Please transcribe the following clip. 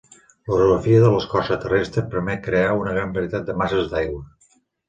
L'orografia de l'escorça terrestre permet crear una gran varietat de masses d'aigua.